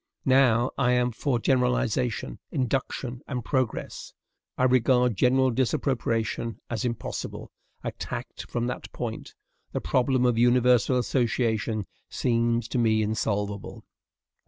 Now, I am for generalization, induction, and progress. I regard general disappropriation as impossible: attacked from that point, the problem of universal association seems to me insolvable.